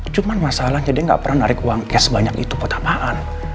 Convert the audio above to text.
cuman masalahnya dia gak pernah narik uangnya sebanyak itu buat apaan